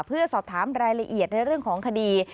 เพื่อสอบถามรายละเอียดในเรื่องของคดี